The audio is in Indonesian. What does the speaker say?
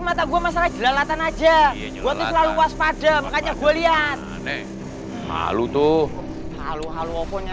mata gua masalah jelalatan aja buat selalu waspada makanya gue lihat hal itu halunya